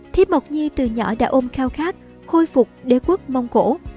thi mộc nhi từ nhỏ đã ôm khao khát khôi phục đế quốc mông cổ